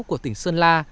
của tỉnh sơn la